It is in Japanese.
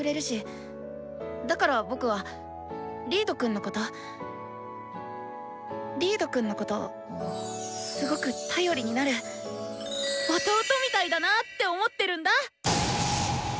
だから僕はリードくんのことリードくんのことすごく頼りになる弟みたいだなぁって思ってるんだ！